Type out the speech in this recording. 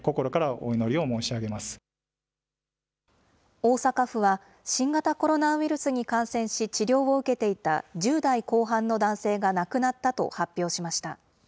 大阪府は、新型コロナウイルスに感染し、治療を受けていた１０代後半の男性が亡くなったと発表しました。